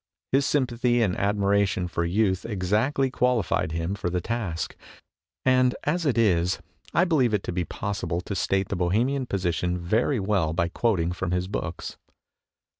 His sympathy and admiration for youth exactly qualified him for the task, and as it is I believe it to be possible to state the Bohemian position very well by quoting from his books.